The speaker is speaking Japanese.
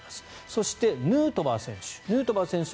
そして、ヌートバー選手。